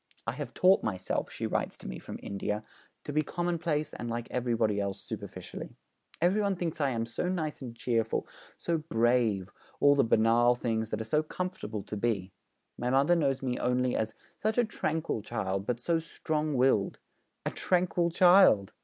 'I have taught myself,' she writes to me from India, 'to be commonplace and like everybody else superficially. Every one thinks I am so nice and cheerful, so "brave," all the banal things that are so comfortable to be. My mother knows me only as "such a tranquil child, but so strong willed." A tranquil child!'